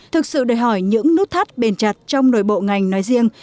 thực sự đòi hỏi những nút thắt bền chặt trong nội bộ ngành nói riêng